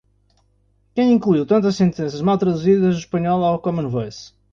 Quem incluiu tantas sentenças mal traduzidas do espanhol ao Common Voice?